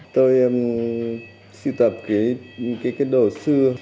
tôi sưu tập cái đồ xưa